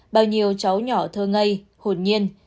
bao nhiêu cháu nhỏ thơ ngây hồn nhiên